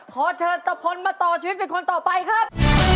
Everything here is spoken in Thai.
ขอเชิญตะพลมาต่อชีวิตเป็นคนต่อไปครับ